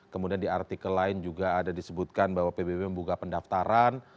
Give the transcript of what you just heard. kemudian di artikel lain juga ada disebutkan bahwa pbb membuka pendaftaran